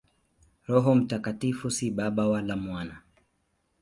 Roho Mtakatifu si Baba wala Mwana.